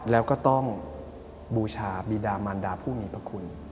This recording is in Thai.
แล้วก็ต้องบูชาบีดามันดาผู้มีพระคุณ